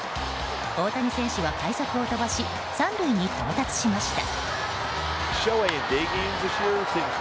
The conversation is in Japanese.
大谷選手は快足を飛ばし３塁に到達しました。